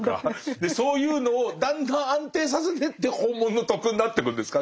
そういうのをだんだん安定させてって本物の「徳」になってくんですかね。